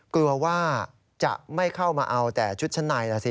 กลัวว่าจะไม่เข้ามาเอาแต่ชุดชั้นในล่ะสิ